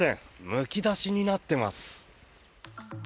むき出しになってます。